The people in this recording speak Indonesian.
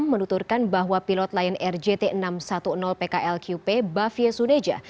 menuturkan bahwa pilot lion air jt enam ratus sepuluh pklqp bavia suneja